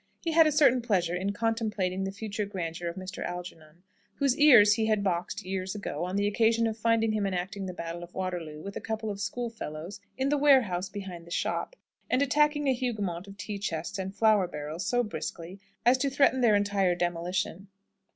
He had a certain pleasure in contemplating the future grandeur of Mr. Algernon, whose ears he had boxed years ago, on the occasion of finding him enacting the battle of Waterloo, with a couple of schoolfellows, in the warehouse behind the shop, and attacking a Hougoumont of tea chests and flour barrels, so briskly, as to threaten their entire demolition.